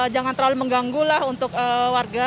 jangan terlalu mengganggu lah untuk warga